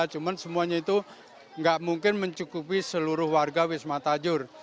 cuman semuanya itu nggak mungkin mencukupi seluruh warga wisma tajur